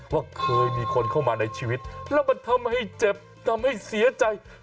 ว่าเคยมีคนเข้ามาในชีวิตแล้วมันทำให้เจ็บทำให้เสียใจ